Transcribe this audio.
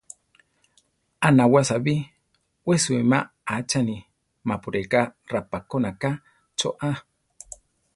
A nawása bi, we suíma aáchani, mapu reká rapákona ka cho aa.